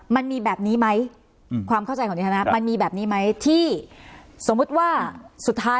มันมีแบบนี้ไหมความเข้าใจของคุณท์นึงคะ